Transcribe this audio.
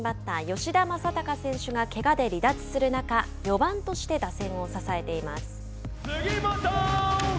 吉田正尚選手がけがで離脱する中４番として打線を支えています。